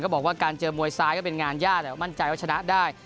บอกว่าการเจอมวยซ้ายก็เป็นงานยากแต่มั่นใจว่าชนะได้